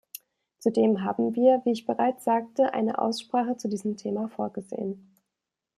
Zudem haben wir, wie ich bereits sagte, eine Aussprache zu diesem Thema vorgesehen.